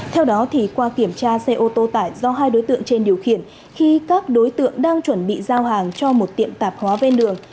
theo đó qua kiểm tra xe ô tô tải do hai đối tượng trên điều khiển khi các đối tượng đang chuẩn bị giao hàng cho một tiệm tạp hóa ven đường